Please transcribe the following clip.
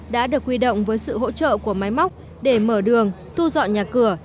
đã được huy động với sự hỗ trợ của máy móc để mở đường thu dọn nhà cửa